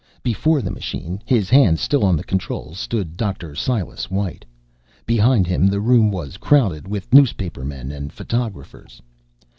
Before the machine, his hands still on the controls, stood Dr. Silas White. Behind him the room was crowded with newspapermen and photographers.